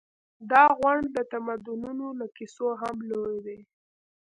دا غونډ د تمدنونو له کیسو هم لوی دی.